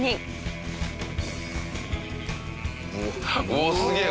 おっすげえ！